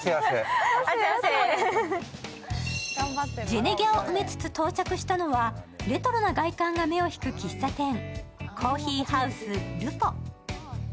ジェネギャを埋めつつ到着したのは、レトロな外観が目を引く喫茶店、コーヒーハウスるぽ。